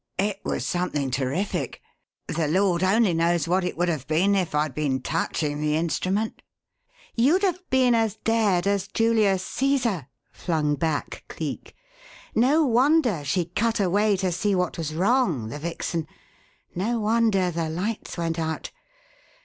It was something terrific. The Lord only knows what it would have been if I'd been touching the instrument." "You'd have been as dead as Julius Cæsar!" flung back Cleek. "No wonder she cut away to see what was wrong, the vixen! No wonder the lights went out!